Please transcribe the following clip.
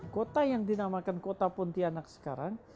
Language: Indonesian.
kota yang dinamakan kota pontianak sekarang